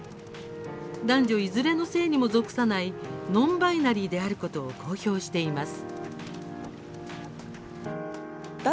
男女いずれの性にも属さないノンバイナリーであることを公表しています。